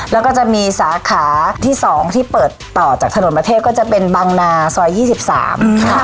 แล้วก็จะมีสาขาที่๒ที่เปิดต่อจากถนนประเทศก็จะเป็นบางนาซอย๒๓ค่ะ